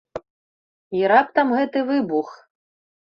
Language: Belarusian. І раптам гэты выбух!